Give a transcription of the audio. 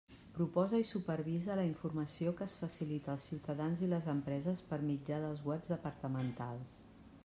Proposa i supervisa la informació que es facilita als ciutadans i les empreses per mitjà dels webs departamentals.